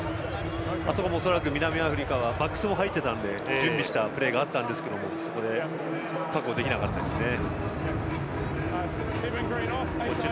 恐らく南アフリカはバックスも入っていたので準備していたプレーがあったんですけど確保できなかったですね。